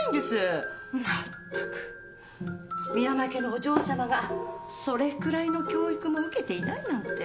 まったく深山家のお嬢さまがそれくらいの教育も受けていないなんて。